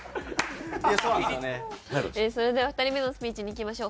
それでは２人目のスピーチにいきましょう。